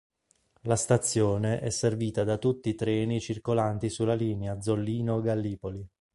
La stazione è servita da tutti i treni circolanti sulla linea Zollino-Gallipoli.